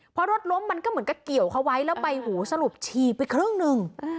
พอรถล้มมันก็เหมือนกับเกี่ยวเขาไว้แล้วใบหูสรุปฉี่ไปครึ่งหนึ่ง